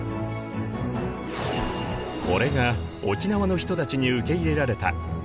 これが沖縄の人たちに受け入れられた。